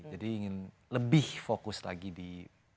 jadi ingin lebih fokus lagi di bulan ini